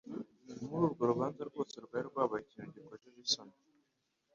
Muri urwo rubanza rwose rwari rwabaye ikintu gikojeje isoni,